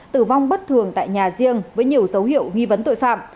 tử vong bất thường tại nhà riêng với nhiều dấu hiệu nghi vấn tội phạm